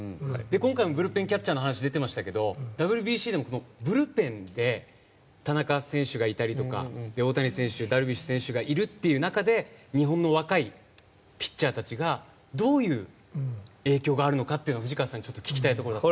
今回もブルペンキャッチャーの話が出てましたけどＷＢＣでもブルペンで田中選手がいたりとか大谷選手、ダルビッシュ選手がいるという中で日本の若いピッチャーたちがどういう影響があるのか藤川さんに聞きたいです。